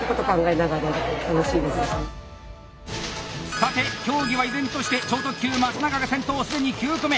さて競技は依然として超特急・松永が先頭既に９個目！